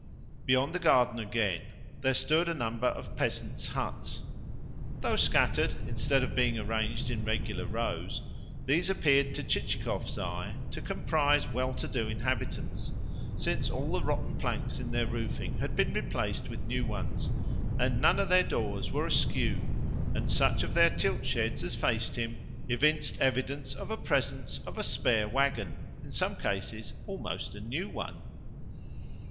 Beyond the garden again there stood a number of peasants' huts. Though scattered, instead of being arranged in regular rows, these appeared to Chichikov's eye to comprise well to do inhabitants, since all rotten planks in their roofing had been replaced with new ones, and none of their doors were askew, and such of their tiltsheds as faced him evinced evidence of a presence of a spare waggon in some cases almost a new one.